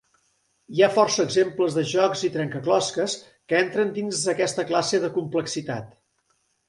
Hi ha força exemples de jocs i trencaclosques que entren dins aquesta classe de complexitat.